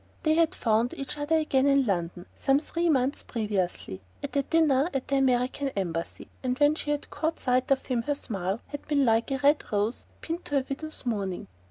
They had found each other again, in London, some three months previously, at a dinner at the American Embassy, and when she had caught sight of him her smile had been like a red rose pinned on her widow's mourning.